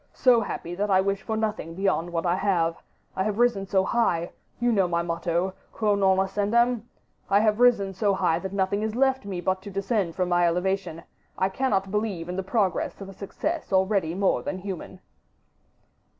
so happy that I wish for nothing beyond what I have... I have risen so high... You know my motto: 'Quo non ascendam?' I have risen so high that nothing is left me but to descend from my elevation. I cannot believe in the progress of a success already more than human."